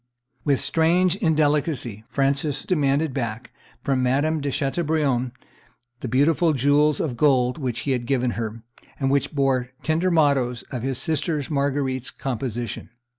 With strange indelicacy Francis demanded back from Madame de Chateaubriant the beautiful jewels of gold which he had given her, and which bore tender mottoes of his sister Marguerite's composition.